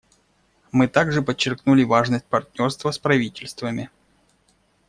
Мы также подчеркнули важность партнерства с правительствами.